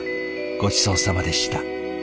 ごちそうさまでした。